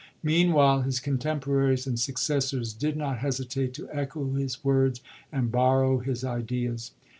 Mean while his contemporaries and successors did not hesitate to echo his words and borrow his ideas.